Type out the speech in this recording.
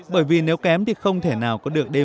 bởi vì nếu kém thì không thể nào có được đêm riêng